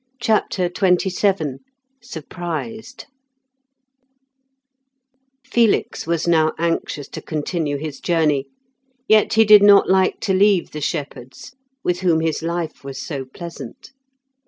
CHAPTER XXVII SURPRISED Felix was now anxious to continue his journey, yet he did not like to leave the shepherds, with whom his life was so pleasant.